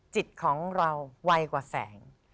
จิตของเราไวกว่าแสง